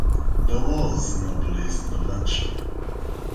There was no police intervention.